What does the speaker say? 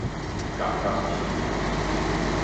愣愣去